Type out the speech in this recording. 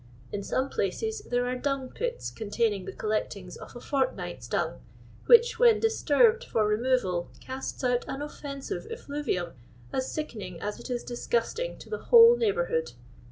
In some places there are dung pits containing the collect ings of a fortnight's dung, which, when disturbed for removal, casts out an offensive effluvium, as sickening as it is diflgtisting to the whole neigh bourhood.